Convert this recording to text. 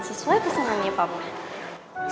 sesuai pesenannya papa